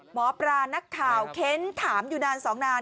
หมอปลานักข่าวเค้นถามอยู่นานสองนาน